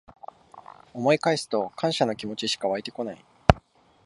思い返すと感謝の気持ちしかわいてこない